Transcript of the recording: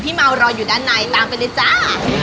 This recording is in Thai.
เมารอรออยู่ด้านในตามไปเลยจ้า